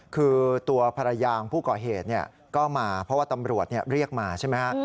คือตัวภรรยาของผู้ก่อเหตุก็มาเพราะว่าตำรวจเรียกมาใช่ไหมฮะ